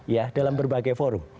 ya dalam berbagai forum